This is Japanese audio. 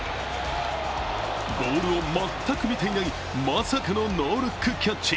ボールを全く見ていない、まさかのノールックキャッチ。